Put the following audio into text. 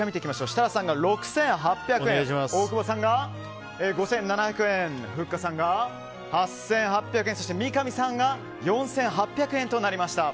設楽さんが６８００円大久保さんが５７００円ふっかさんが８８００円そして三上さんが４８００円となりました。